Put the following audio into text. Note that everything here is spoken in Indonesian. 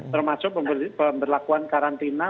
termasuk pembeli pembelakuan karantina